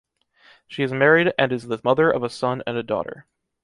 She is married and is the mother of a son and a daughter.